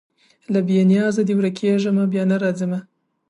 له بې نیازیه دي ورکېږمه بیا نه راځمه